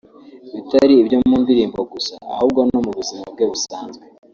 bitari ibyo mu ndirimbo gusa ahubwo no mu buzima bwe busanzwe